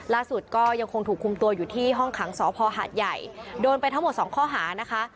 ล่าสุดก็ยังคงถูกคุมตัวอยู่ที่ห้องขังสพหาดใหญ่โดนไปทั้งหมดสองข้อหานะคะ